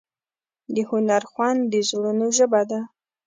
د هنر خوند د زړونو ژبه ده.